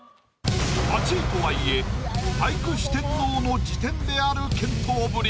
８位とはいえ俳句四天王の次点である健闘ぶり。